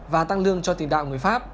và tăng lương cho tiền đạo người pháp